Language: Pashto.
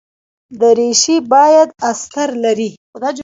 دریشي باید استر لري.